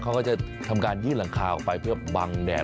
เขาก็จะทำการยื่นหลังคาออกไปเพื่อบังแดด